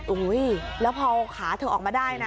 โอ้โฮแล้วพอขาเถอะออกมาได้นะ